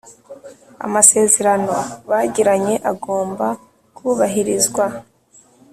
amasezerano bagiranye agomba kubahirizwa